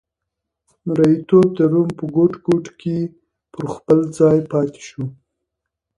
مریتوب د روم په ګوټ ګوټ کې پر خپل ځای پاتې شو